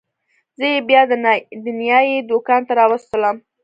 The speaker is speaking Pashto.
زه يې بيا د نايي دوکان ته واستولم.